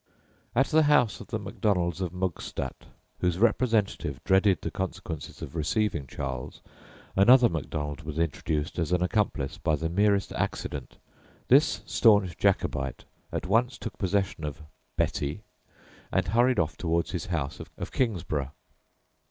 At the house of the Macdonalds of Mugstat, whose representative dreaded the consequences of receiving Charles, another Macdonald was introduced as an accomplice by the merest accident. This staunch Jacobite at once took possession of "Betty," and hurried off towards his house of Kingsburgh.